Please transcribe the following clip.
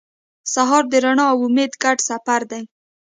سهار د رڼا او امید ګډ سفر دی.